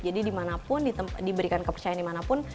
jadi dimanapun diberikan kepercayaan dimanapun